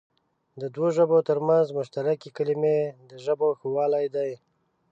د دوو ژبو تر منځ مشترکې کلمې د ژبو ښهوالی دئ.